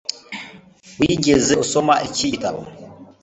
Wigeze usoma iki gitabo